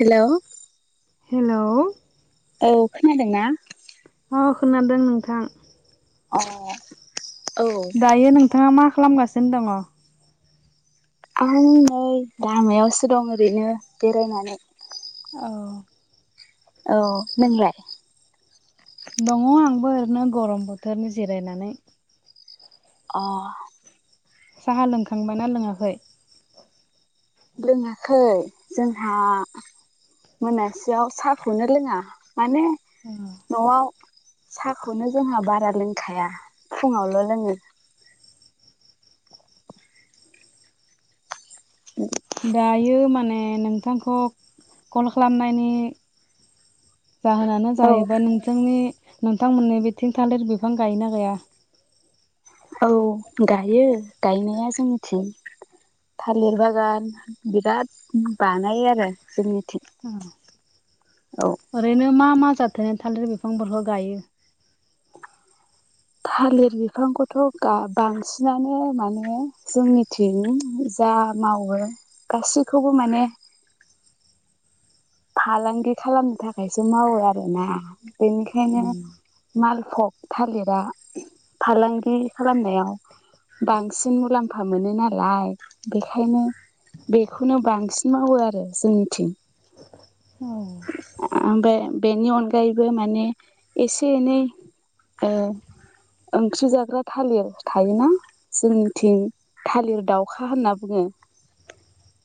Hello hello औ खोनादोंना अ खोनादों नोंथां अ दायो नोंथाङा मा खालामगासिनो दङ आं नै लामायावसो दं ओरैनो बेरायनानै औ औ नोंलाय दङ आंबो ओरैनो गरम बोथोरनि जिरायनानै अ साहा लोंखांबायना लोङाखै लोङाखै जोंहा मोनासेयाव साहाखौनो लोङा माने अ न'आव साहाखौनो जोंहा बारा लोंखाया फुङावल' लोङो [unintelligible] दायो माने नोंथांखौ कल खालामनायनि जाहोनानो औ जाहैबाय नोंथनि नोंथांमोननि बेथिं थालिर बिफां गायोना गैया औ गायो गायनाया जोंनिथिं थालिर बागान बिराद बानायो आरो जोंनिथिं उम औ ओरैनो मा मा जाथोनि थालदि बिफांफोरखौ गायो थालिर बिफांखौथ' बांसिनानो माने जोंनिथि जा मावो गासैखौबो माने फालांगि खालामनो थाखायसो मावो आरोना बेनिखायनो मालफग थालिरा फालांगि खालामनायाव बांसिन मुलाम्फा मोनो नालाय बेखायनो बेखौनो बांसिन मावो आरो जोंनि थिं औ ओमफ्राय बेनि अनगायैबो माने एसे एनै ए ओंख्रि जाग्रा थालिर थायोना जोंनिथिं थालिर दाउखा होनना बुङो [inaudible]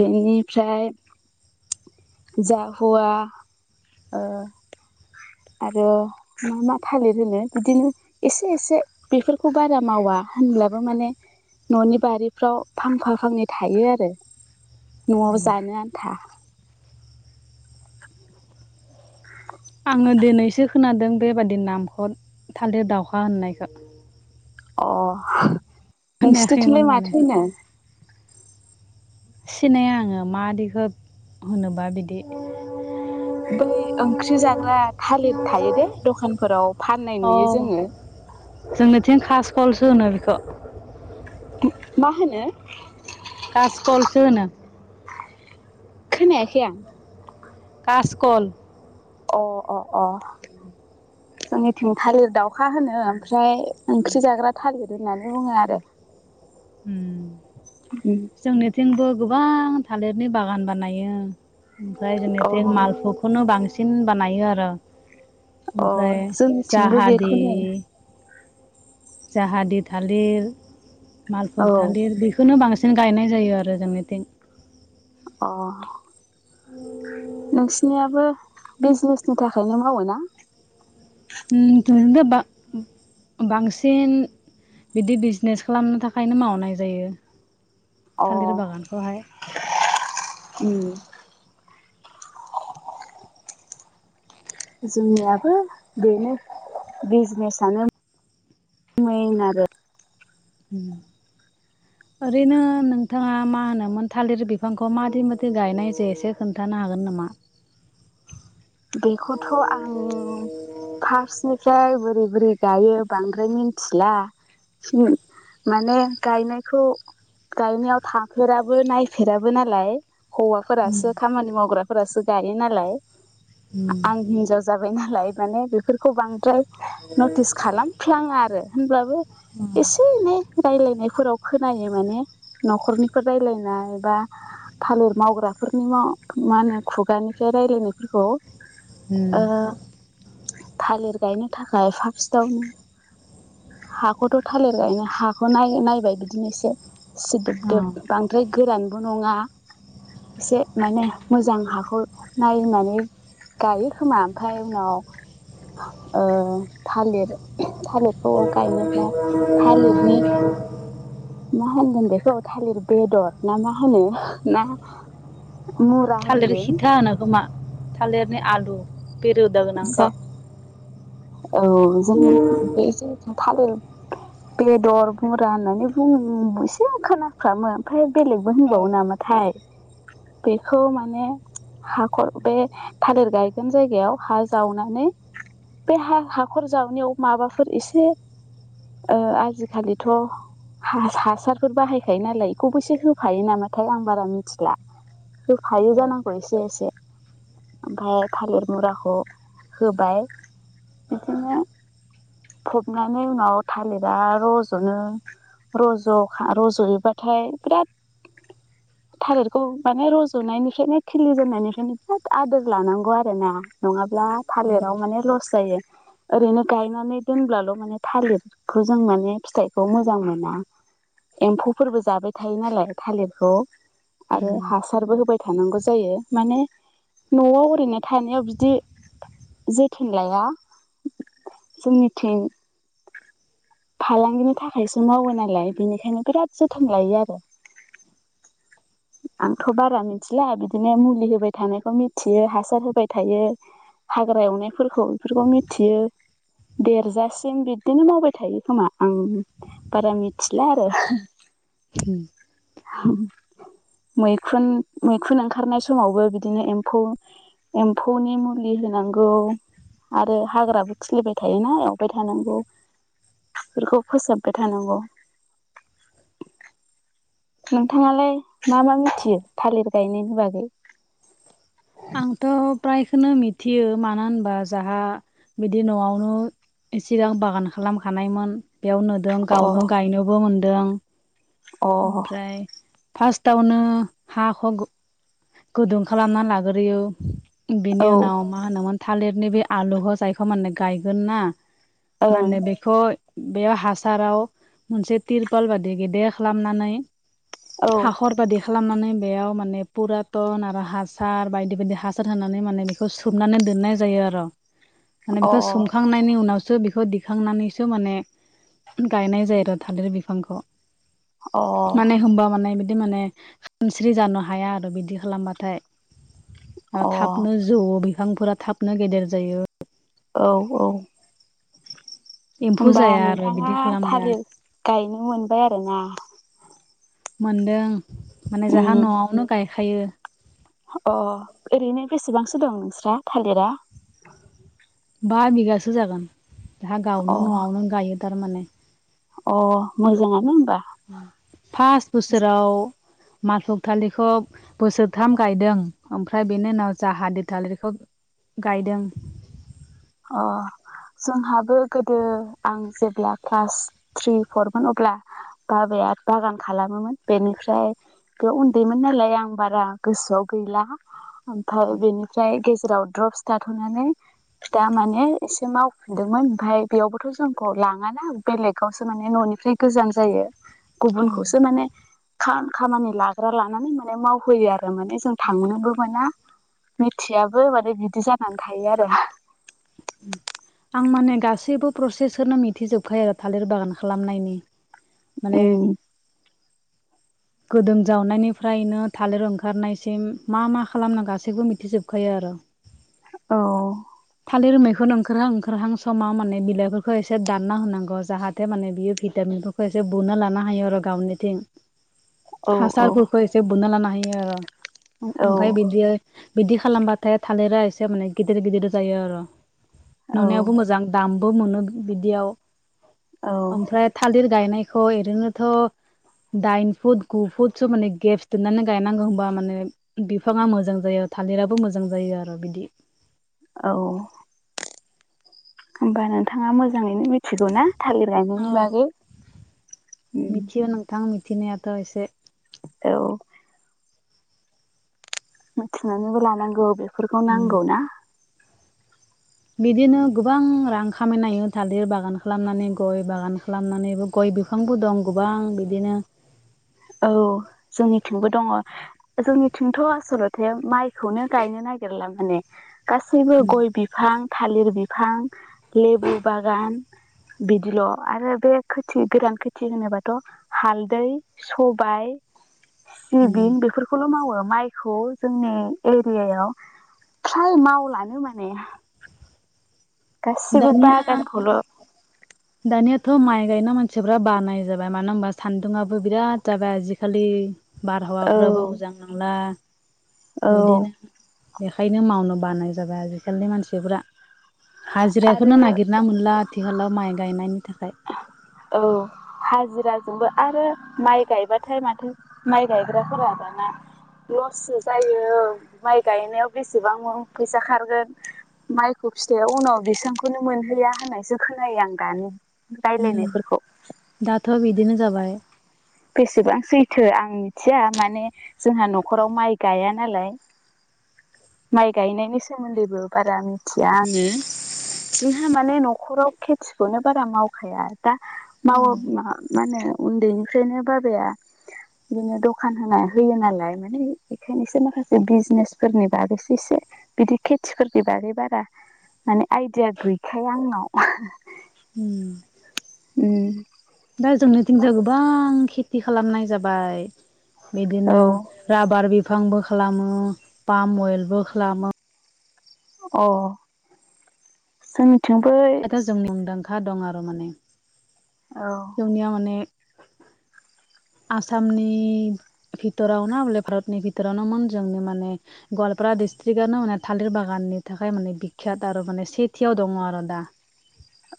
बेनिफ्राय जा हुवा ओ आरो मा थालिर होनो बिदिनो एसे एसे बेफोरखौ बारा मावा होनब्लाबो माने न'नि बारिफ्राव फांफा फांनै थायो आरो न'आव जानो आन्था [inaudible] आङो दिनैसो खोनादों बेबादि नामखौ थालिर दावहा होननायखौ अ खोनायाखैमोन नोंसोरनिथिंलाय माने माथो होनो सिनाया आङो माबादिखो होनोबा बिदि बै ओंख्रि जाग्रा थालिर थायोदे दखानफोराव फाननाय नुयो जोङो जोंनोथिं खास कलसो होनो बेखौ मा होनो कास कलसो होनो खोनायाखै आं कास कल अ अ अ [inaudible] जोंनिथिं थालिर दाउखा होनो ओमफ्राय ओंख्रि जाग्रा थालिर होननानै बुङो आरो उम जोंनिथिंबो गोबां थालिरनि बागान बानायो ओमफ्राय जोंनिथिं अ मालभग खौनो बांसिन बानायो आरो अ ओमफ्राय जोंनिथिंबो जाहादि बेखौनो जाहादि थालिर औ मालभग थालिर बेखौनो बांसिन गायनाय जायो आरो जोंनिथिं अ नोंसिनियाबो बिजनेसनि थाखायनो मावोना उम जोंनिथिंथ बा बांसिन बिदि बिजनेस खालामनो थाखायनो मावनाय जायो अ थालिर बागानखौहाय उम जोंनियाबो बेनो बिजनेसानो मेन आरो उम ओरैनो नोंथाङा मा होनोमोन थालिर बिफांखौ मादि मादि गायनाय जेसे खोन्थानो हागोन नामा बेखौथ आं फार्स्टनिखाय बोरै बोरै गायो बांद्राय मिथिला माने गायनायखौ गायनायाव थांफेराबो नायफेराबो नालाय उम हौवाफोरासो खामानि मावग्राफोरासो गायो नालाय उम आं हिनजाव जाबाय नालाय माने बेफोरखौ बांद्राय नटिस खालाम फ्लाङा आरो होनब्लाबो अ एसे एनै रायलायनायफोराव खोनायो माने न'खरनिफोर रायलायनाय बा थालिर मावग्राफोरनि मा होनो खुगानिफ्राय रायलायनायफोरखौ उम ओ थालिर गायनो थाखाय फार्स्टआवनो हाखौथ‌ थालिर गायनो हाखौ नाय नायबाय बिदिनो एसे सिदोब अ दोब बां द्राय गोरानबो नङा एसे माने मोजां हाखौ नायनानै गायो खोमा ओमफ्राय उनाव ओ थालिर थालिर खौ गायनोब्ला थालिरनि मा होनगोन बेखौ थालिर बेदर ना मा होनो ना मुरा थालिर होनगोन खिथा होनो खोमा थालिरनि आलु बे रोदा जा गोनांखौ औ जों बे जों थालिर बेदर बुरा होननानै बुं एसे खोनाफ्रामो ओमफ्राय बेलेगबो औ होनबावो नामा थाय बेखौ माने हाखर बे थालिर गायगोन जायगायाव हा जावनानै बे हा हाखर जावनायाव माबाफोर एसे ओ आजिखालिथ' हा हासारफोर बाहायखायो नालाय बेखौबो एसे होफायो नामाथाय आं बारा मिथिला होफायो औ जानांगौ एसे एसे ओमफ्राय थालिर मुराखौ होबाय बिदिनो फबनानै उनाव थालिरा रज'नो रज' रज'योबाथाय बिराद [inaudible] थालिरखौ माने रज'नायनिफ्रायनो खिलि जेननायनिफ्रायनो बिराद आदोर लानांगौ आरोना नङाब्ला थालिराव माने लस जायो ओरैनो गायनानै दोनब्लाल' माने थालिर खौ जों माने फिथाइखौ मोजां मोना एम्फौफोरबो जाबाय थायो नालाय थालिरखौ आरो उम हासारबो होबाय थानांगौ जायो माने न'आव ओरैनो थानायाव बिदि जोथोन जाया जोंनिथिं फालांगिनि थाखायसो मावो नालाय बेनिखायनो बिराद जोथोन लायो आरो [inaudible] आंथ' बारा मिथिला बिदिनो मुलि होबाय थानायखौ मिथियो हासार होबाय थायो हाग्रा एवनायफोरखौ बेफोरखौ मिथियो देरजासिम बिब्दिनो मावबाय थायो खोमा आं बारा मिथिला आरो उम [inaudible] मैखुन मैखुन ओंखारनाय समावबो बिदिनो एम्फौ एम्फौनि मुलि होनांगौ आरो हाग्राबो खिलिबाय थायोना एवबाय थानांगौ बेफोरखौ फोसाबबाय थानांगौ नोंथाङालाय मा मा मिथियो थालिर गायनायनि बागै आंथ' फ्रायखोनो मिथियो मानो होनबा जाहा बिदि न'आवनो सिगां बागान खालामखानायमोन बेयाव नुदों अ गावनो गायनोबो मोनदों अ ओमफ्राय फासटावनो हाखौ गु गुदुं खालामना लाग्रोयो बेनि औ उनाव मा होनोमोन थालिरनि बे आलुखौ जायखौ माने गायगोन ना ओं माने बेखौ बेयाव हासाराव मोनसे तिरपाल बादि गेदेर खालामनानै औ हाखर बादि खालामनानै बेयाव माने पुरातन आरो हासार बायदि बायदि हासार होनानै माने बे बेखौ सोमनानै दोननाय जायो आर' माने अ बेखौ सोमखांनायनि उनावसो बेखौ दिखांनानैसो माने गायनाय जायो आर' थालिर बिफांख' अ माने होनबा माने बिदि माने खानस्रि जानो हाया आरो बिदि खालामबाथाय ओ औ थाबनो जौवो बिफांफोरा थाबनो गेदेर जायो औ औ एम्फौ होमबा जाया आरो बिदि नोंथाङा खालामबा थालिर गायनो मोनबाय आरोना मोनदों माने जाहा उम न'आवनो गायखायो अ ओरैनो बेसेबांसो दं नोंस्रा थालिरा बा बिगासो जागोन जाहा अ गावनो न'आवनो गायो थारमाने अ मोजाङानो होमबा उम फास्ट बोसोराव मालभग थालिखौ बोसोरथाम गायदों ओमफ्राय बेनि उनाव जाहादि थालिरखौ गायदों। अ जोंहाबो गोदो आं जेब्ला क्लास थ्रि फरमोन अब्ला बाबाया बागान खालामोमोन बेनिफ्राय बे उन्दैमोन नालाय आं बारा गोसोआव गैला। ओमफ्राय बेनिफ्राय गेजेराव द्रपस थाथ'नानै फिथा माने एसे मावफिनदोंमोन ओमफाय बेयावबोथ' जोंखौ लाङाना बेलेगावसो माने न'निफ्राय गोजान जायो। औ गुबुनखौसो माने खाम-खामानि लाग्रा लानानै माने मावहोयो आरो। आरो माने जों थांनोबो मोना मिथियाबो माने बिदि जानानै थायो आरो। उम आं माने गासैबो प्रसेसखोनो मिथिजोबखायो आरो थालिर बागान खालामनायनि। माने उम गोदों जावनायनिफ्रायनो थालिर ओंखारनायसिम मा मा खालामना गासैबो मिथिजोबखायो आरो। [inaudible] औ थालिर मैखुन ओंखारहां ओंखारहां समाव माने बिलाइफोरखौ एसे दानना होनांगौ जाहाथे जाथे माने बियो भिटामिनफोरखौ एसे बुनो लानो हायो आरो गावनिथिं। औ हासारफोरखौ एसे बोना लानो हायो औ ओफाय बिदियो बिदि खालामबाथाय थालिरा एसे माने गिदिर गिदिर जायो आरो औ नुनायावबो मोजां दामबो मोनो बिदियाव औ ओमफ्राय थालिर गायनायखौ ओरैनोथ' दाइन फुट गु फुटसो माने गेप्स दोननानै गायनांगौ होमबा माने बिफाङा मोजां जायो थालिराबो मोजां जायो आरो बिदि। औ ओमबा नोंथाङा मोजाङैनो मिथिगौ ना थालिर गायनायनि औ बागै। मिथियो नोंथां मिथिनायाथ' एसे औ मिथिनानैबो लानांगौ बेफोरखौ उम नांगौ ना। बिदिनो गोबां रां खामायनो हायो थालिर बागान खालामनानै गय बागान खालामनानैबो। गय बिफांबो दं गोबां बिदिनो। औ जोंनिथिंबो दङ जोंनिथिंथ' आसलत ते माइखौनो गायनो नागिरला माने गासैबो गय बि बिफां थालिर बिफां लेबु बागान। बिदिल' आरो बे खोथि गोरान खोथि होनोबाथ' हालदै सबाइ सिबिं बेफो खौल' मावो माइखौ जोंनि एरियाव फ्राय मावलानो माने। गसिबो दानिया बागानखौल' दानियाथ' माइ गायना मानसिफ्रा बानाय जाबाय मानोना ओनबा सान्दुंआबो बिराद जाबाय आजिखालि। औ बारहावाफ्राबो मोजां नंला औ बिदिनो बेखायनो मावनो बानाय जाबाय आजिखालिनि मानसिफ्रा। आरो हाजिराखौनो नागिरना मोनला आथिखालाव माइ गायनायनि थाखाय। औ हाजिराजोंबो आरो माइ गायबाथाय माथो माइ गायग्राफोरा दाना लससो जायो माइ गायनायाव बेसेबां फैसा खारगोन। माइखौ फिथाइया उनाव बेसबांखौनो मोनहैया होननायसो खोनायो आं दानि उम रायलायनायफोरखौ दाथ' बिदिनो जाबाय। बेसेबां सैथो आं मिथिया माने जोंहा नखराव माइ गाया नालाय। माइ गायनायनि सोमोन्दैबो बारा मिथिया आङो। जोंहा माने नखराव खेथिखौनो बारा मावखाया दा मावो मा मा होनो उन्दैनिफ्रायनो बाबाया बिदिनो दखान होना होयो नालाय माने बेखायनोसो माखासे बिजनेसफोरनि बागैसो एसे बिदि खेथिफोरनि बागै बारा माने आइदिया गैखाया आंनाव। उम उम दा जोंनिथिंजाय गोबां खेथि खालामनाय जाबाय बिदिनो औ राबार बिफांबो खालामो पाम अवेलबो खालामो। अ जोंनि थिं बै था जों मुंदांखा दं आरो माने औ जोंनियाव माने आसामनि बिथरावनो अले भारतनि बिथोरावनोमोन जोंनि माने गवालपारा डिस्ट्रिकटआनो माने थालिर बागाननि थाखाय माने बिखात आरो माने सेथियाव दङ आरो दा। [inaudible]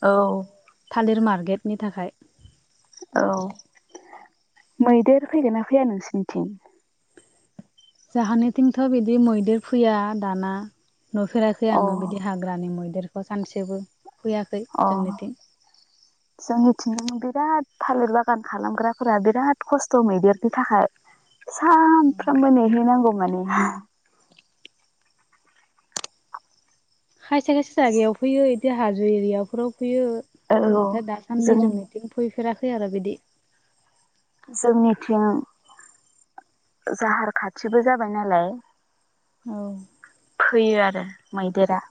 औ थालिर मारकेटनि थाखाय। औ मैदेर फैगोन ना फैया नोंसोनिथिं? जाहोनथिंथ' बिदि मैदेर फैया दाना नुफेराखै अ आङो बिदि हाग्रा हाग्रानि मैदेरखौ सानसेबो फैयाखै। अह [inaudible] जोंनिथिंजों बिराद थालिर बागान खालामग्राफोरा बिराद खस्थ' मैदेरनि थाखाय। सानफ्रामबो नेहैनांगौ माने। खायसे खायसे जायगायाव फैयो बिदि हाजो एरियाफोराव फैयो औ नाथाय दासान्दि जों जोंनो फैफेराखै आरो बिदि। जोंनिथिं जाहार खाथिबो जाबाय नालाय। उम फैयो आरो मैदेरा।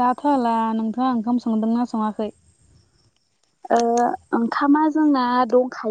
दा हाला नोंथांङा ओंखाम संदोंना सङाखै? ओ ओंखामा जोंना दंखायो।